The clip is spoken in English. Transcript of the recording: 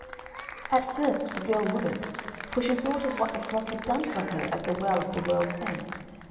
At first the girl wouldn't, for she thought of what the frog had done for her at the Well of the World's End.